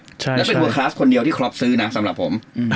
แล้วเป็นเวอร์คลาสคนเดียวที่ครอปซื้อนะสำหรับผม